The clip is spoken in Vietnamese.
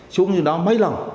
xuống như đó mấy lần